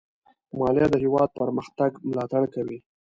مالیه د هېواد پرمختګ ملاتړ کوي.